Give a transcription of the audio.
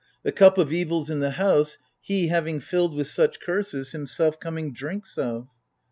The cup of evils in the house he, having Filled with such curses, himself coming drinks of.